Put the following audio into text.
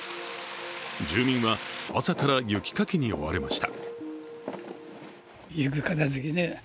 住民は、朝から雪かきに追われました。